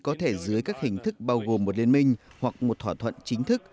có thể dưới các hình thức bao gồm một liên minh hoặc một thỏa thuận chính thức